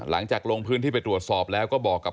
มันเหมือนมีรอยเล็บแบบ